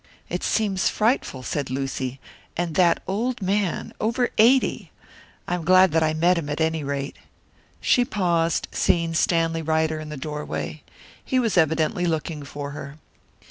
"It seems frightful," said Lucy. "And that old man over eighty! I'm glad that I met him, at any rate." She paused, seeing Stanley Ryder in the doorway. He was evidently looking for her.